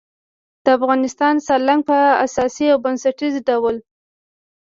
د افغانستان سالنګ په اساسي او بنسټیز ډول